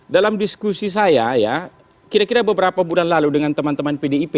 dalam diskusi saya ya kira kira beberapa bulan lalu dengan teman teman pdip